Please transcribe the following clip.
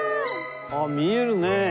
あっ見えるね。